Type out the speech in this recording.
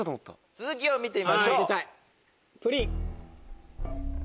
続きを見てみましょう。